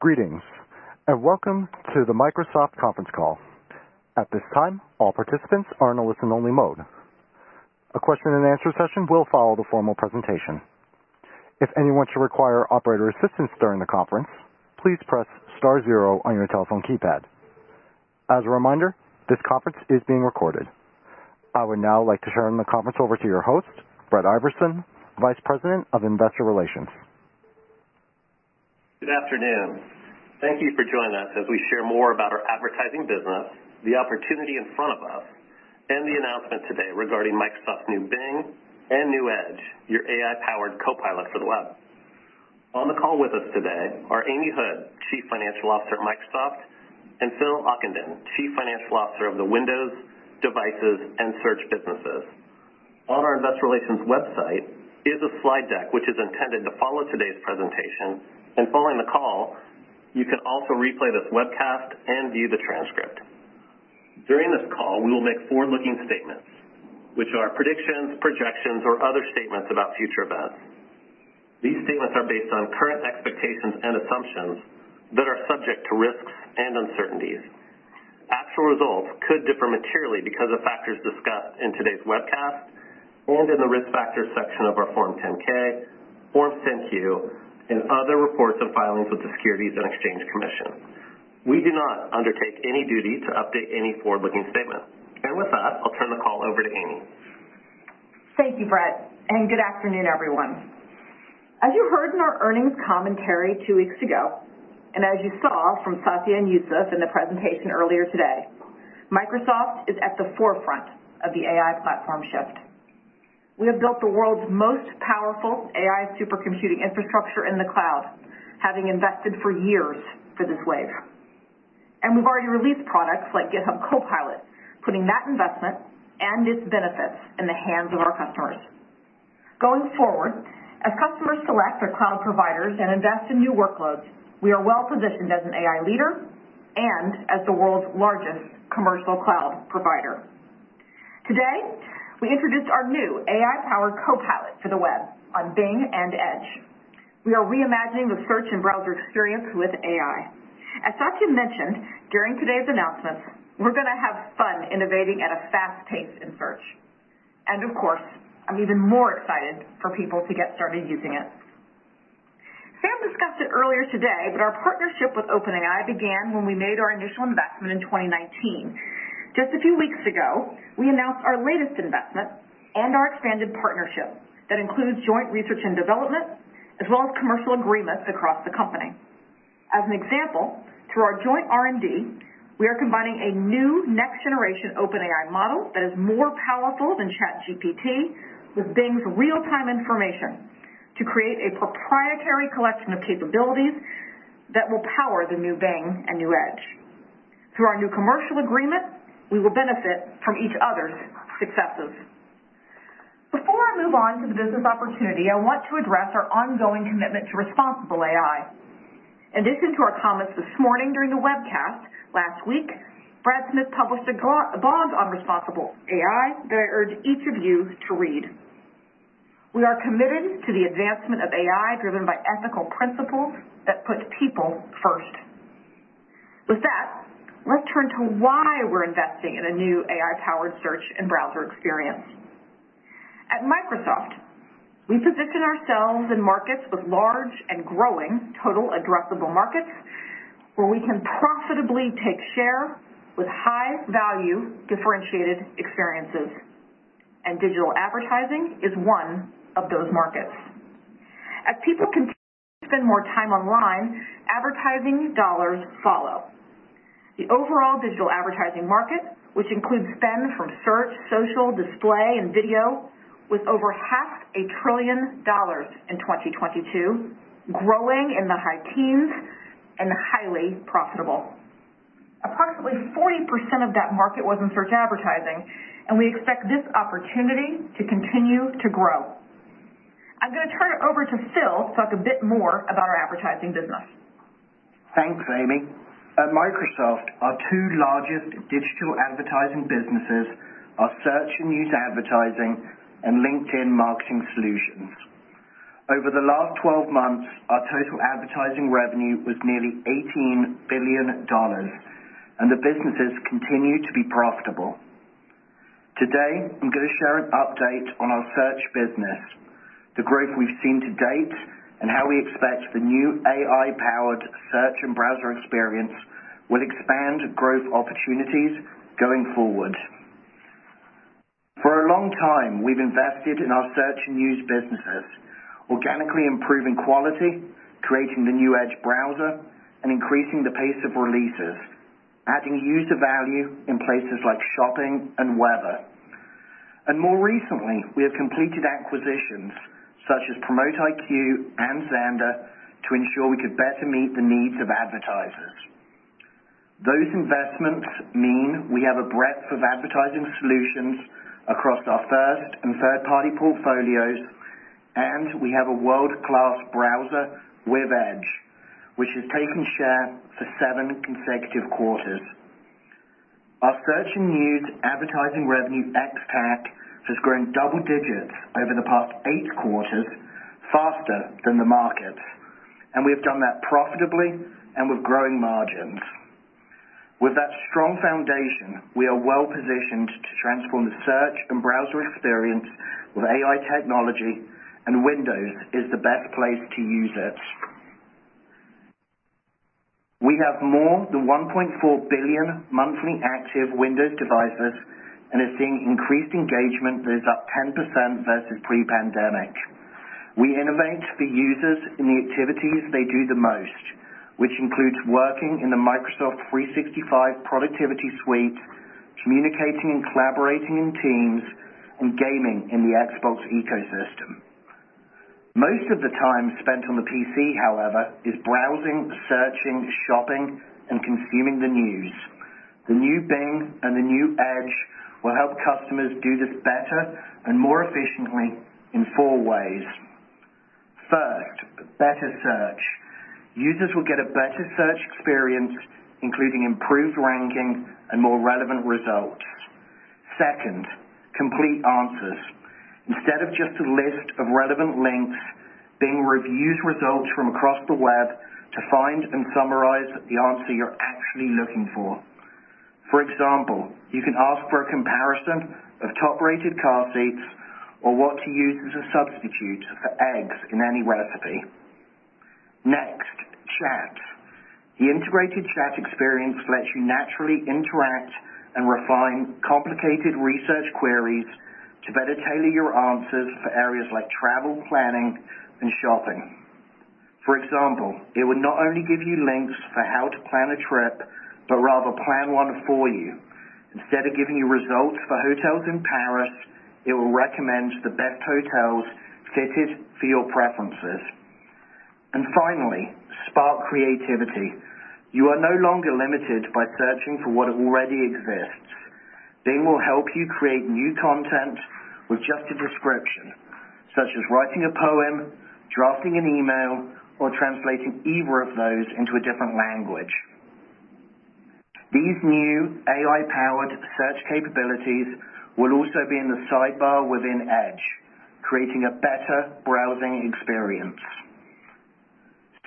Greetings, and welcome to the Microsoft conference call. At this time, all participants are in a listen only mode. A question and answer session will follow the formal presentation. If anyone should require operator assistance during the conference, please press star zero on your telephone keypad. As a reminder, this conference is being recorded. I would now like to turn the conference over to your host, Brett Iversen, Vice President of Investor Relations. Good afternoon. Thank you for joining us as we share more about our advertising business, the opportunity in front of us, and the announcement today regarding Microsoft's new Bing and new Edge, your AI-powered Copilot for the web. On the call with us today are Amy Hood, Chief Financial Officer at Microsoft, and Phil Ockenden, Chief Financial Officer of the Windows, Devices and Search businesses. On our investor relations website is a slide deck which is intended to follow today's presentation. Following the call, you can also replay this webcast and view the transcript. During this call, we will make forward-looking statements, which are predictions, projections, or other statements about future events. These statements are based on current expectations and assumptions that are subject to risks and uncertainties. Actual results could differ materially because of factors discussed in today's webcast and in the Risk Factors section of our Form 10-K, Form 10-Q, and other reports and filings with the Securities and Exchange Commission. We do not undertake any duty to update any forward-looking statement. With that, I'll turn the call over to Amy. Thank you, Brett, and good afternoon, everyone. As you heard in our earnings commentary two weeks ago, and as you saw from Satya and Yusuf in the presentation earlier today, Microsoft is at the forefront of the AI platform shift. We have built the world's most powerful AI supercomputing infrastructure in the cloud, having invested for years for this wave. We've already released products like GitHub Copilot, putting that investment and its benefits in the hands of our customers. Going forward, as customers select their cloud providers and invest in new workloads, we are well positioned as an AI leader and as the world's largest commercial cloud provider. Today, we introduced our new AI powered Copilot for the web on Bing and Edge. We are reimagining the search and browser experience with AI. As Satya mentioned during today's announcement, we're gonna have fun innovating at a fast pace in search. Of course, I'm even more excited for people to get started using it. Sam discussed it earlier today, our partnership with OpenAI began when we made our initial investment in 2019. Just a few weeks ago, we announced our latest investment and our expanded partnership that includes joint research and development as well as commercial agreements across the company. As an example, through our joint R&D, we are combining a new next generation OpenAI model that is more powerful than ChatGPT with Bing's real-time information to create a proprietary collection of capabilities that will power the new Bing and new Edge. Through our new commercial agreement, we will benefit from each other's successes. Before I move on to the business opportunity, I want to address our ongoing commitment to Responsible AI. In addition to our comments this morning during the webcast, last week, Brad Smith published a blog on Responsible AI that I urge each of you to read. We are committed to the advancement of AI driven by ethical principles that puts people first. With that, let's turn to why we're investing in a new AI-powered search and browser experience. At Microsoft, we position ourselves in markets with large and growing total addressable markets where we can profitably take share with high value differentiated experiences. Digital advertising is one of those markets. As people continue to spend more time online, advertising dollars follow. The overall digital advertising market, which includes spend from search, social, display, and video, was over half a trillion dollars in 2022, growing in the high teens and highly profitable. Approximately 40% of that market was in search advertising. We expect this opportunity to continue to grow. I'm gonna turn it over to Phil to talk a bit more about our advertising business. Thanks, Amy. At Microsoft, our two largest digital advertising businesses are Search and User Advertising and LinkedIn Marketing Solutions. Over the last 12 months, our total advertising revenue was nearly $18 billion, and the businesses continue to be profitable. Today, I'm gonna share an update on our search business, the growth we've seen to date, and how we expect the new AI-powered search and browser experience will expand growth opportunities going forward. For a long time, we've invested in our search and use businesses, organically improving quality, creating the new Edge browser, and increasing the pace of releases, adding user value in places like shopping and weather. More recently, we have completed acquisitions such as PromoteIQ and Xandr to ensure we could better meet the needs of advertisers. Those investments mean we have a breadth of advertising solutions across our first and third-party portfolios, and we have a world-class browser with Edge, which has taken share for seven consecutive quarters. Our Search and news advertising revenue ex-TAC has grown double digits over the past eight quarters faster than the market, and we have done that profitably and with growing margins. With that strong foundation, we are well positioned to transform the search and browser experience with AI technology, and Windows is the best place to use it. We have more than 1.4 billion monthly active Windows devices and are seeing increased engagement that is up 10% versus pre-pandemic. We innovate for users in the activities they do the most, which includes working in the Microsoft 365 productivity suite, communicating and collaborating in Teams, and gaming in the Xbox ecosystem. Most of the time spent on the PC, however, is browsing, searching, shopping, and consuming the news. The new Bing and the new Edge will help customers do this better and more efficiently in four ways. First, better search. Users will get a better search experience, including improved ranking and more relevant results. Second, complete answers. Instead of just a list of relevant links, Bing reviews results from across the web to find and summarize the answer you're actually looking for. For example, you can ask for a comparison of top-rated car seats or what to use as a substitute for eggs in any recipe. Next, chat. The integrated chat experience lets you naturally interact and refine complicated research queries to better tailor your answers for areas like travel planning and shopping. For example, it would not only give you links for how to plan a trip, but rather plan one for you. Instead of giving you results for hotels in Paris, it will recommend the best hotels fitted for your preferences. Finally, spark creativity. You are no longer limited by searching for what already exists. Bing will help you create new content with just a description, such as writing a poem, drafting an email, or translating either of those into a different language. These new AI-powered search capabilities will also be in the sidebar within Edge, creating a better browsing experience.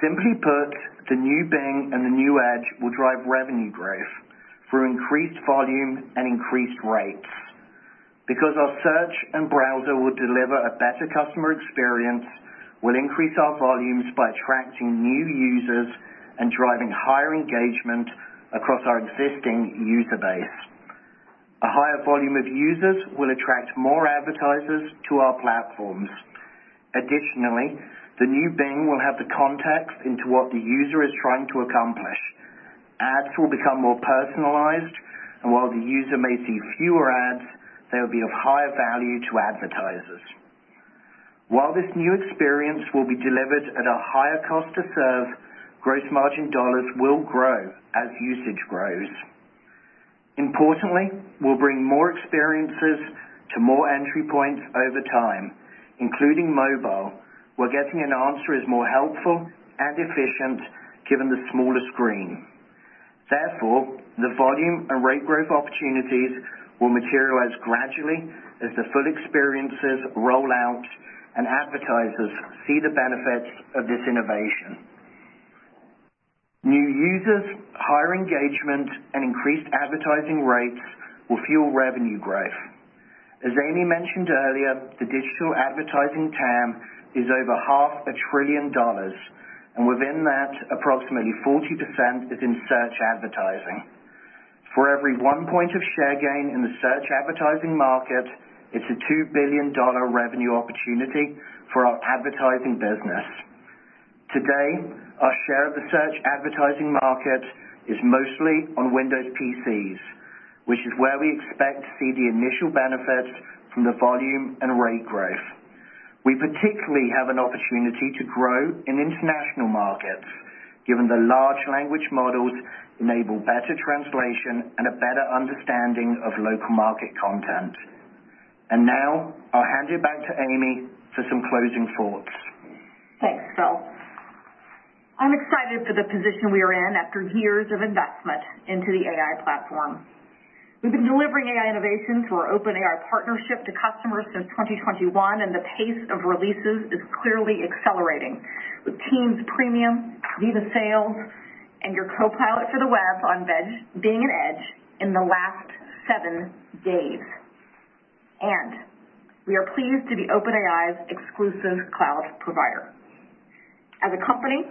Simply put, the new Bing and the new Edge will drive revenue growth through increased volume and increased rates. Our search and browser will deliver a better customer experience, we'll increase our volumes by attracting new users and driving higher engagement across our existing user base. A higher volume of users will attract more advertisers to our platforms. Additionally, the new Bing will have the context into what the user is trying to accomplish. Ads will become more personalized, and while the user may see fewer ads, they will be of higher value to advertisers. While this new experience will be delivered at a higher cost to serve, gross margin dollars will grow as usage grows. Importantly, we'll bring more experiences to more entry points over time, including mobile, where getting an answer is more helpful and efficient given the smaller screen. Therefore, the volume and rate growth opportunities will materialize gradually as the full experiences roll out and advertisers see the benefits of this innovation. New users, higher engagement, and increased advertising rates will fuel revenue growth. As Amy mentioned earlier, the digital advertising TAM is over half a trillion dollars, and within that, approximately 40% is in search advertising. For every one point of share gain in the search advertising market, it's a $2 billion revenue opportunity for our advertising business. Today, our share of the search advertising market is mostly on Windows PCs, which is where we expect to see the initial benefit from the volume and rate growth. We particularly have an opportunity to grow in international markets, given the large language models enable better translation and a better understanding of local market content. Now I'll hand you back to Amy for some closing thoughts. Thanks, Phil. I'm excited for the position we are in after years of investment into the AI platform. We've been delivering AI innovation through our OpenAI partnership to customers since 2021. The pace of releases is clearly accelerating with Teams Premium, Viva Sales, and your Copilot for the web on Bing and Edge in the last seven days. We are pleased to be OpenAI's exclusive cloud provider. As a company,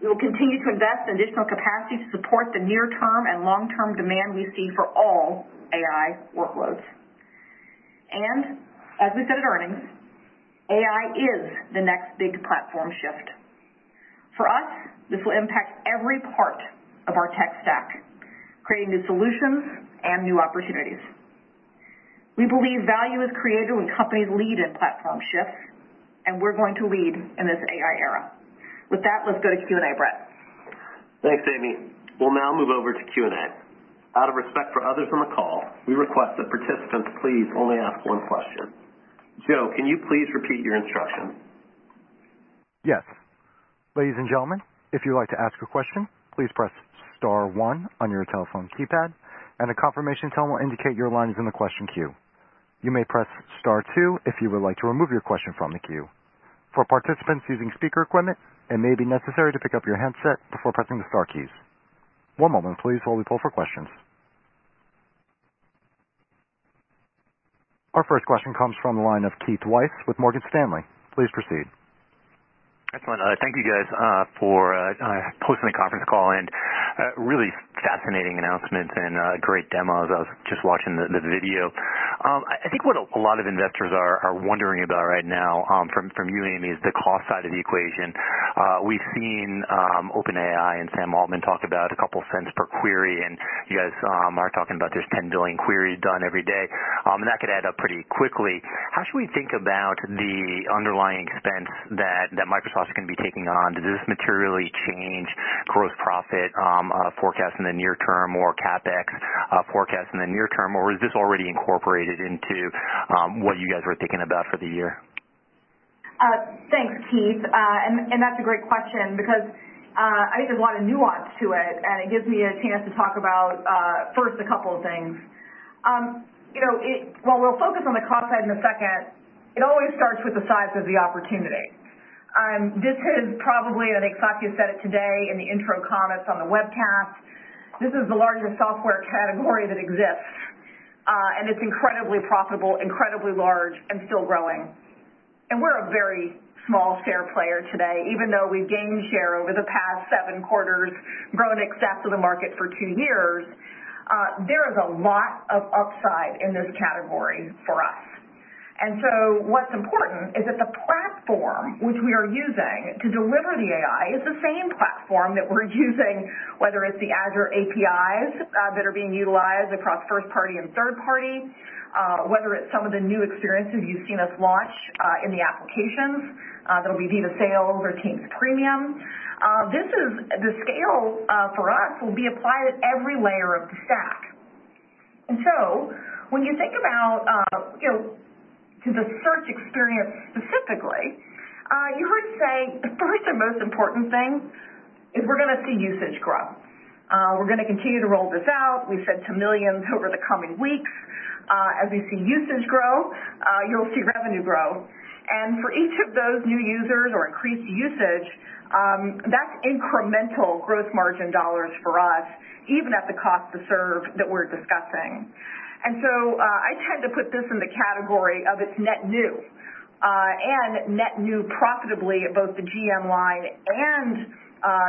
we will continue to invest in additional capacity to support the near-term and long-term demand we see for all AI workloads. As we said at earnings, AI is the next big platform shift. For us, this will impact every part of our tech stack, creating new solutions and new opportunities. We believe value is created when companies lead in platform shifts, and we're going to lead in this AI era. With that, let's go to Q&A, Brett. Thanks, Amy. We'll now move over to Q&A. Out of respect for others on the call, we request that participants please only ask one question. Joe, can you please repeat your instructions? Yes. Ladies and gentlemen, if you'd like to ask a question, please press star one on your telephone keypad and a confirmation tone will indicate your line is in the question queue. You may press star two if you would like to remove your question from the queue. For participants using speaker equipment, it may be necessary to pick up your handset before pressing the star keys. One moment please while we pull for questions. Our first question comes from the line of Keith Weiss with Morgan Stanley. Please proceed. Excellent. Thank you guys for posting the conference call and really fascinating announcements and great demos. I was just watching the video. I think what a lot of investors are wondering about right now from you, Amy, is the cost side of the equation. We've seen OpenAI and Sam Altman talk about $0.02 per query, and you guys are talking about there's $10 billion queries done every day, and that could add up pretty quickly. How should we think about the underlying expense that Microsoft is going to be taking on? Does this materially change gross profit forecast in the near term or CapEx forecast in the near term, or is this already incorporated into what you guys are thinking about for the year? Thanks, Keith. That's a great question because I think there's a lot of nuance to it, and it gives me a chance to talk about first a couple of things. You know, while we'll focus on the cost side in a second, it always starts with the size of the opportunity. This is probably, and I think Satya said it today in the intro comments on the webcast, this is the largest software category that exists, and it's incredibly profitable, incredibly large and still growing. We're a very small share player today. Even though we've gained share over the past seven quarters, grown excess of the market for two years, there is a lot of upside in this category for us. What's important is that the platform which we are using to deliver the AI is the same platform that we're using, whether it's the Azure APIs that are being utilized across first party and third party, whether it's some of the new experiences you've seen us launch in the applications that'll be Viva Sales or Teams Premium. The scale for us will be applied at every layer of the stack. When you think about, you know, to the search experience specifically, you heard me say the first and most important thing is we're gonna see usage grow. We're gonna continue to roll this out. We've said to millions over the coming weeks, as we see usage grow, you'll see revenue grow. For each of those new users or increased usage, that's incremental gross margin dollars for us, even at the cost to serve that we're discussing. I tend to put this in the category of it's net new and net new profitably at both the GM line and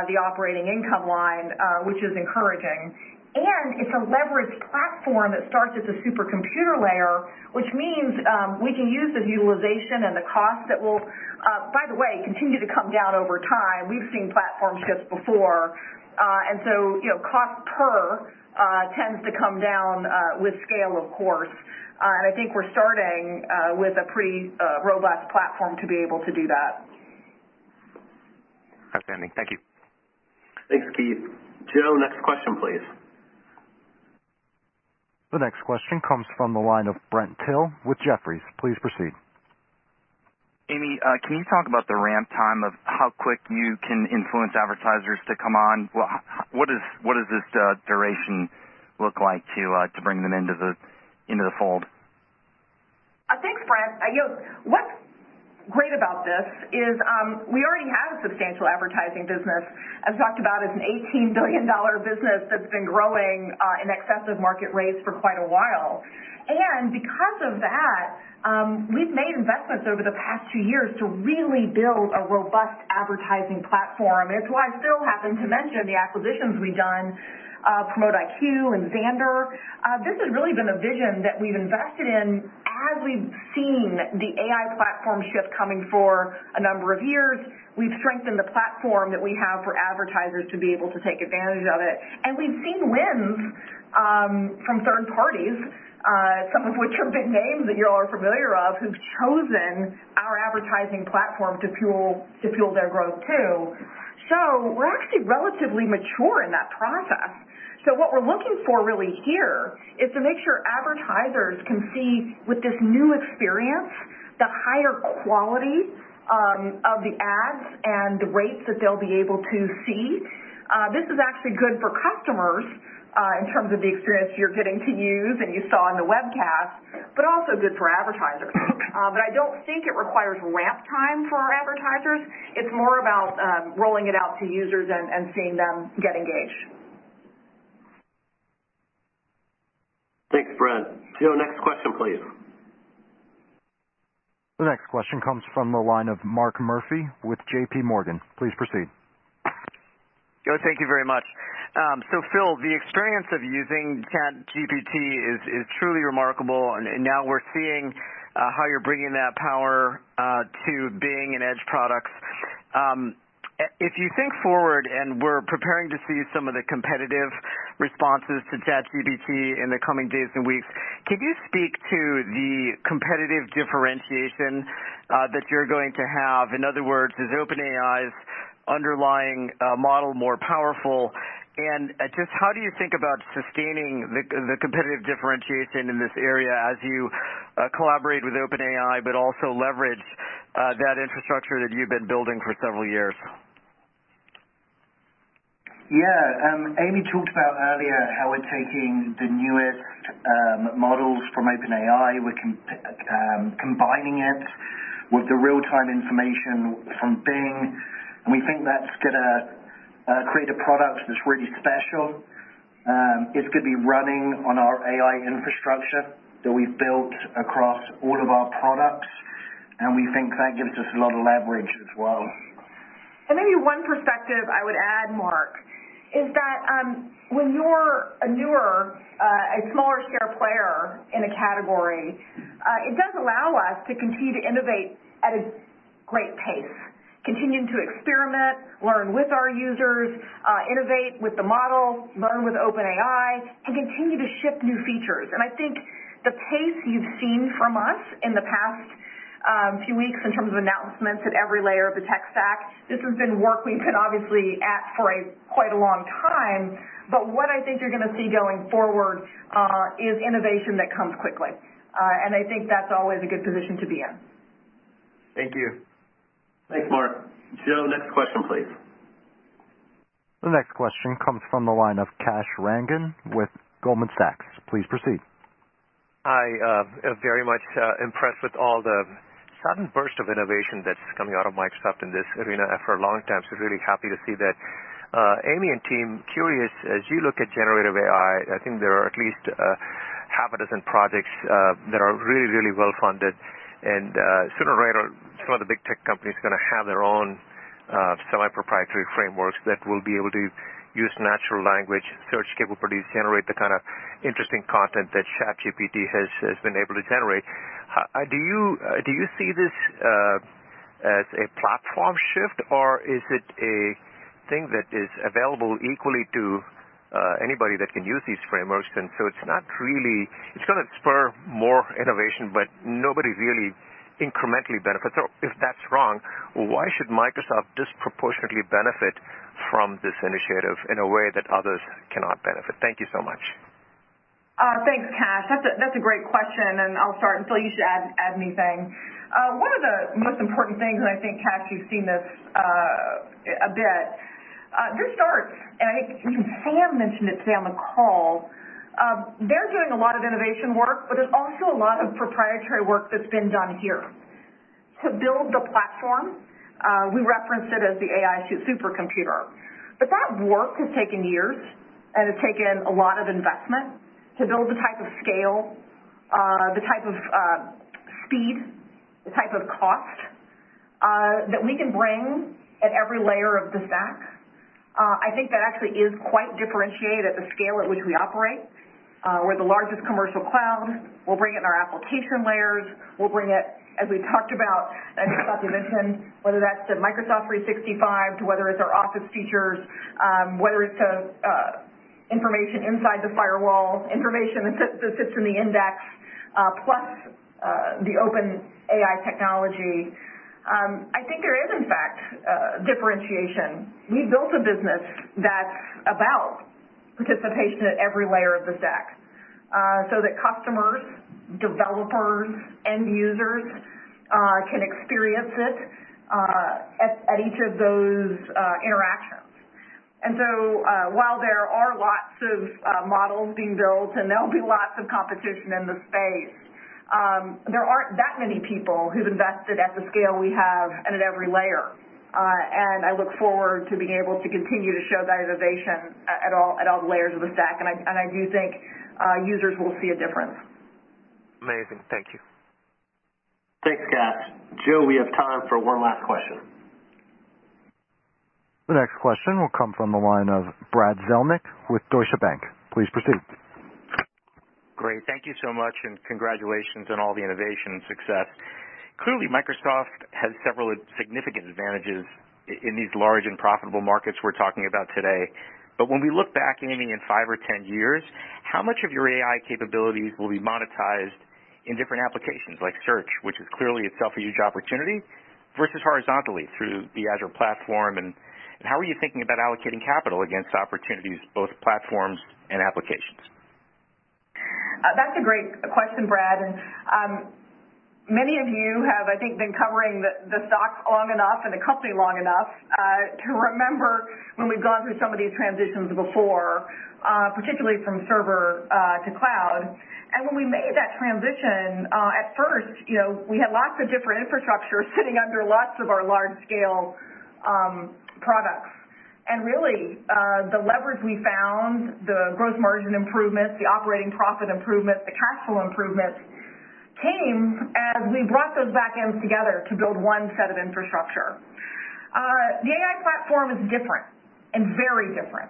the operating income line, which is encouraging. It's a leveraged platform that starts at the supercomputer layer, which means we can use the utilization and the cost that will, by the way, continue to come down over time. We've seen platform shifts before. You know, cost per tends to come down with scale, of course. I think we're starting with a pretty robust platform to be able to do that. Outstanding. Thank you. Thanks, Keith. Joe, next question, please. The next question comes from the line of Brent Thill with Jefferies. Please proceed. Amy, can you talk about the ramp time of how quick you can influence advertisers to come on? Well, what does this duration look like to bring them into the fold? Thanks, Brent. You know, what's great about this is, we already have a substantial advertising business. I've talked about it as an $18 billion business that's been growing in excess of market rates for quite a while. Because of that, we've made investments over the past two years to really build a robust advertising platform. It's why Phil happened to mention the acquisitions we've done, PromoteIQ and Xandr. This has really been a vision that we've invested in as we've seen the AI platform shift coming for a number of years. We've strengthened the platform that we have for advertisers to be able to take advantage of it. We've seen wins from third parties, some of which have been names that you all are familiar of, who've chosen our advertising platform to fuel their growth too. We're actually relatively mature in that process. What we're looking for really here is to make sure advertisers can see with this new experience, the higher quality of the ads and the rates that they'll be able to see. This is actually good for customers in terms of the experience you're getting to use and you saw on the webcast, but also good for advertisers. I don't think it requires ramp time for our advertisers. It's more about rolling it out to users and seeing them get engaged. Thanks, Brent. Joe, next question, please. The next question comes from the line of Mark Murphy with JPMorgan. Please proceed. Thank you very much. Phil, the experience of using ChatGPT is truly remarkable. Now we're seeing how you're bringing that power to Bing and Edge products. If you think forward, we're preparing to see some of the competitive responses to ChatGPT in the coming days and weeks, can you speak to the competitive differentiation that you're going to have? In other words, does OpenAI's- Underlying, model more powerful and just how do you think about sustaining the competitive differentiation in this area as you collaborate with OpenAI, but also leverage that infrastructure that you've been building for several years? Yeah. Amy talked about earlier how we're taking the newest models from OpenAI. We're combining it with the real-time information from Bing, and we think that's gonna create a product that's really special. It's gonna be running on our AI infrastructure that we've built across all of our products, and we think that gives us a lot of leverage as well. Maybe one perspective I would add, Mark, is that, when you're a newer, a smaller share player in a category, it does allow us to continue to innovate at a great pace, continuing to experiment, learn with our users, innovate with the model, learn with OpenAI, and continue to ship new features. I think the pace you've seen from us in the past, few weeks in terms of announcements at every layer of the tech stack, this has been work we've been obviously at for a quite a long time, but what I think you're gonna see going forward, is innovation that comes quickly. I think that's always a good position to be in. Thank you. Thanks, Mark. Joe, next question, please. The next question comes from the line of Kash Rangan with Goldman Sachs. Please proceed. I am very much impressed with all the sudden burst of innovation that's coming out of Microsoft in this arena after a long time, really happy to see that. Amy and team, curious, as you look at generative AI, I think there are at least half a dozen projects that are really, really well-funded, and sooner or later, some of the big tech companies are gonna have their own semi-proprietary frameworks that will be able to use natural language, search capabilities, generate the kind of interesting content that ChatGPT has been able to generate. Do you see this as a platform shift, or is it a thing that is available equally to anybody that can use these frameworks? It's gonna spur more innovation, nobody really incrementally benefits? If that's wrong, why should Microsoft disproportionately benefit from this initiative in a way that others cannot benefit? Thank you so much. Thanks, Kash. That's a great question. I'll start, and Phil, you should add anything. One of the most important things, Kash, you've seen this a bit, your start. I mentioned it today on the call, they're doing a lot of innovation work, there's also a lot of proprietary work that's been done here. To build the platform, we referenced it as the AI supercomputer. That work has taken years, and it's taken a lot of investment to build the type of scale, the type of speed, the type of cost that we can bring at every layer of the stack. I think that actually is quite differentiated at the scale at which we operate. We're the largest commercial cloud. We'll bring it in our application layers. We'll bring it, as we've talked about, as Satya mentioned, whether that's to Microsoft 365, to whether it's our Office features, whether it's to information inside the firewall, information that sits in the index, plus the open AI technology. I think there is, in fact, differentiation. We've built a business that's about participation at every layer of the stack, so that customers, developers, end users can experience it at each of those interactions. While there are lots of models being built, and there'll be lots of competition in the space, there aren't that many people who've invested at the scale we have and at every layer. I look forward to being able to continue to show that innovation at all the layers of the stack, and I do think, users will see a difference. Amazing. Thank you. Thanks, Kash. Joe, we have time for one last question. The next question will come from the line of Brad Zelnick with Deutsche Bank. Please proceed. Great. Thank you so much. Congratulations on all the innovation and success. Clearly, Microsoft has several significant advantages in these large and profitable markets we're talking about today. When we look back, Amy, in five or 10 years, how much of your AI capabilities will be monetized in different applications like Search, which is clearly itself a huge opportunity, versus horizontally through the Azure platform and how are you thinking about allocating capital against opportunities, both platforms and applications? That's a great question, Brad. Many of you have, I think, been covering the stock long enough and the company long enough to remember when we've gone through some of these transitions before, particularly from server to cloud. When we made that transition, at first, you know, we had lots of different infrastructure sitting under lots of our large scale products. Really, the leverage we found, the gross margin improvements, the operating profit improvements, the cash flow improvements came as we brought those backends together to build one set of infrastructure. The AI platform is different, and very different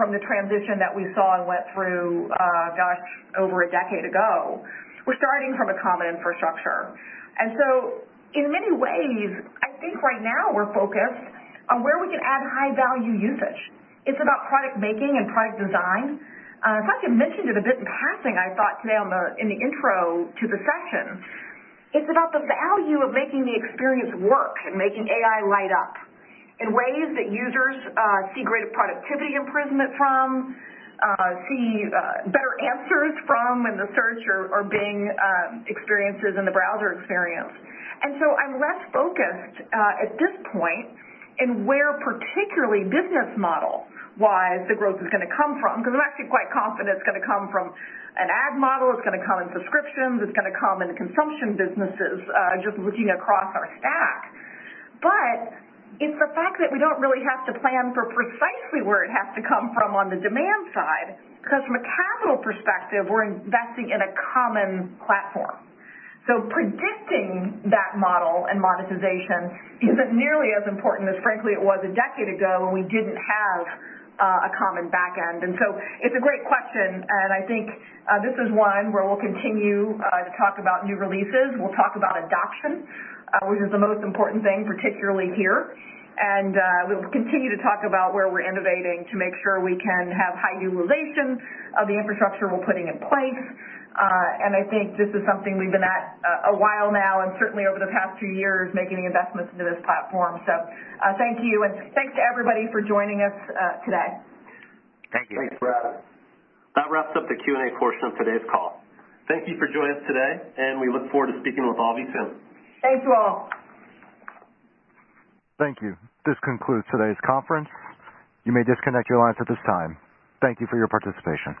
from the transition that we saw and went through, gosh, over a decade ago. We're starting from a common infrastructure. In many ways, I think right now we're focused on where we can add high value usage. It's about product making and product design. Satya mentioned it a bit in passing, I thought, today on the, in the intro to the session. It's about the value of making the experience work and making AI light up in ways that users see greater productivity improvement from, see better answers from in the Search or Bing experiences in the browser experience. I'm less focused at this point in where particularly business model-wise the growth is gonna come from, 'cause I'm actually quite confident it's gonna come from an ad model, it's gonna come in subscriptions, it's gonna come in consumption businesses, just looking across our stack. It's the fact that we don't really have to plan for precisely where it has to come from on the demand side, because from a capital perspective, we're investing in a common platform. Predicting that model and monetization isn't nearly as important as, frankly, it was a decade ago when we didn't have a common backend. It's a great question, and I think this is one where we'll continue to talk about new releases. We'll talk about adoption, which is the most important thing, particularly here. We'll continue to talk about where we're innovating to make sure we can have high utilization of the infrastructure we're putting in place. I think this is something we've been at a while now, and certainly over the past few years, making investments into this platform. Thank you, and thanks to everybody for joining us today. Thank you. Thanks, Brad. That wraps up the Q&A portion of today's call. Thank you for joining us today. We look forward to speaking with all of you soon. Thanks, all. Thank you. This concludes today's conference. You may disconnect your lines at this time. Thank you for your participation.